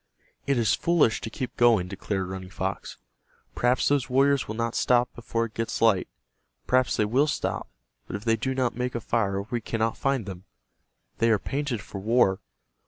"It is foolish to keep going," declared Running Fox. "Perhaps those warriors will not stop before it gets light. Perhaps they will stop, but if they do not make a fire we cannot find them. They are painted for war.